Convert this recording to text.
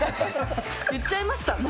言っちゃいました。